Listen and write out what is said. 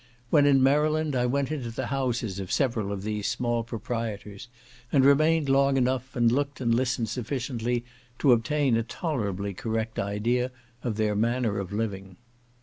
When in Maryland, I went into the houses of several of these small proprietors, and remained long enough, and looked and listened sufficiently, to obtain a tolerably correct idea of their manner of living.